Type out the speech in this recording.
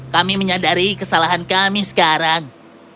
kami menyadari kesalahan kami sekarang